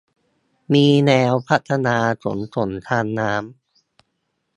มีแนวพัฒนาขนส่งทางน้ำ